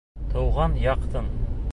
Тыуған яҡтың